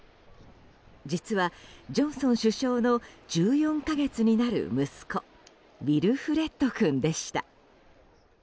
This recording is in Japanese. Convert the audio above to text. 実は、ジョンソン首相の１４か月になる息子ウィルフレッド君でした。